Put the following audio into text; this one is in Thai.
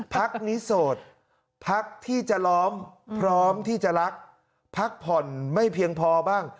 พักนี้โสดพักที่จะล้อมพร้อมที่จะรักพักผ่อนไม่เพียงพอบ้าง